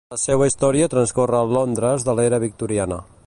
La seua història transcorre al Londres de l'era victoriana.